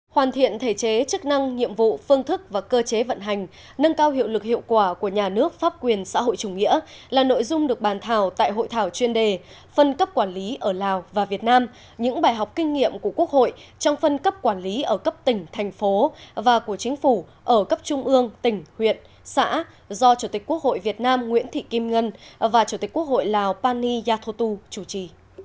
hoàn thiện thể chế chức năng nhiệm vụ phương thức và cơ chế vận hành nâng cao hiệu lực hiệu quả của nhà nước pháp quyền xã hội chủ nghĩa là nội dung được bàn thảo tại hội thảo chuyên đề phân cấp quản lý ở lào và việt nam những bài học kinh nghiệm của quốc hội trong phân cấp quản lý ở cấp tỉnh thành phố và của chính phủ ở cấp trung ương tỉnh huyện xã do chủ tịch quốc hội việt nam nguyễn thị kim ngân và chủ tịch quốc hội lào pani yathotu chủ trì